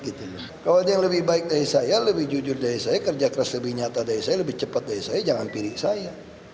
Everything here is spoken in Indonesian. kalau ada yang lebih baik dari saya lebih jujur dari saya kerja keras lebih nyata dari saya lebih cepat dari saya jangan pilih saya